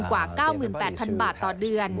กว่า๙๘๐๐๐บาทต่อเดือน